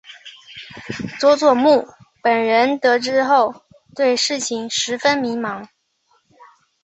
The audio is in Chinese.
佐佐木本人得知后对事情十分迷惘。